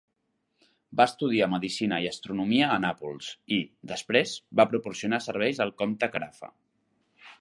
Va estudiar medicina i astronomia a Nàpols i, després, va proporcionar serveis al comte Carafa.